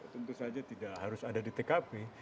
tentu saja tidak harus ada di tkp